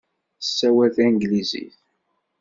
Tessawal tanglizit?